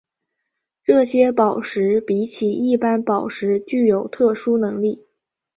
这些宝石比起一般宝石具有特殊能力。